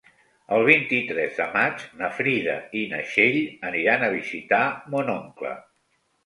El vint-i-tres de maig na Frida i na Txell aniran a visitar mon oncle.